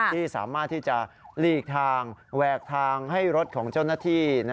ที่สามารถที่จะหลีกทางแหวกทางให้รถของเจ้าหน้าที่